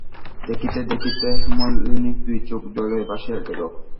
দেখিতে দেখিতে হেমনলিনীর দুই চোখ জলে ভাসিয়া গেল।